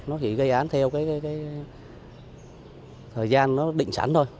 nó chỉ gây án theo cái thời gian nó định sẵn thôi